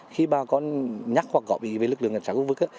khi bà con nhắc hoặc gọi ý về lực lượng cảnh sát khu vực á